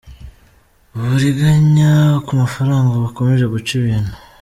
Uburiganya ku mafaranga bukomeje guca ibintu